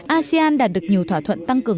asean đã đạt được nhiều thỏa thuận tăng